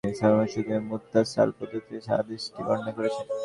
বাযযার তার মুসনাদে জাফর ইবন সুলায়মান সূত্রে মুত্তাসাল পদ্ধতিতে হাদীসটি বর্ণনা করেছেন।